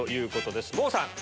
郷さん